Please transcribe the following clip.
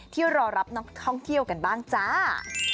รอรับนักท่องเที่ยวกันบ้างจ้า